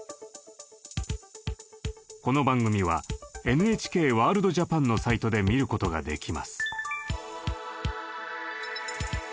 この番組は「ＮＨＫワールドＪＡＰＡＮ」のサイトで見ることができます。